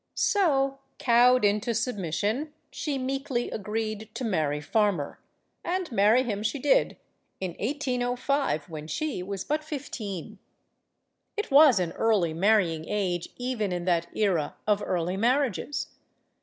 So, cowed into submission, she meekly agreed to marry Farmer. And marry him she did, in 1805, when she was but fifteen. It was an early marrying age, even in that era of early marriages.